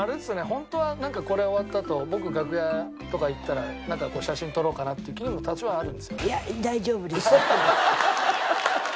ホントはなんかこれ終わったあと僕楽屋とか行ったら写真撮ろうかなっていう気も多少はあるんですよね。